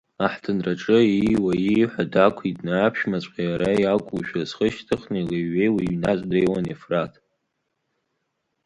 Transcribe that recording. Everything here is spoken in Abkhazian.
Аҳҭынраҿы ииуа-ииҳәо дақәиҭны, аԥшәмаҵәҟьа иара иакәушәа зхы шьҭыхны илеи-ҩеиуа иҩназ дреиуан Ефраҭ…